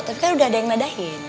tapi kan udah ada yang nadain